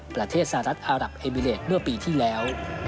ประเทศสหรัฐอารับเอมิเลสเมื่อปีที่แล้ว